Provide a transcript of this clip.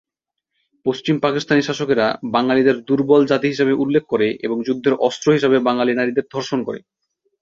পশ্চিম পাকিস্তানি শাসকেরা বাঙালিদের দূর্বল জাতি হিসেবে উল্লেখ করে এবং যুদ্ধের অস্ত্র হিসেবে বাঙালি নারীদের ধর্ষণ করে।